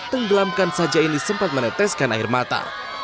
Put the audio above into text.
tenggelamkan saja ini sempat meneteskan air mata